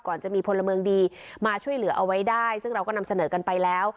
จะมีพลเมืองดีมาช่วยเหลือเอาไว้ได้ซึ่งเราก็นำเสนอกันไปแล้ว